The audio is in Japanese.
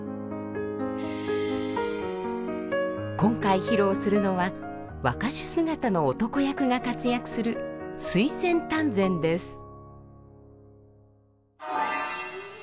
今回披露するのは若衆姿の男役が活躍する「水仙丹前」です。